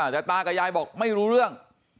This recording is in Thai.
แต่ตากับยายบอกไม่รู้เรื่อง